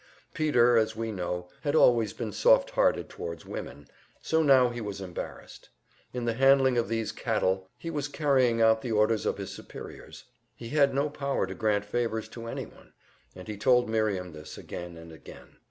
Peter, as we know, had always been soft hearted towards women, so now he was embarrassed. In the handling of these cattle he was carrying out the orders of his superiors; he had no power to grant favors to any one, and he told Miriam this again and again.